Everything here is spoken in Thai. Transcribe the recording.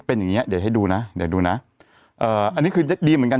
เป็นอย่างเงี้เดี๋ยวให้ดูนะเดี๋ยวดูนะเอ่ออันนี้คือดีเหมือนกัน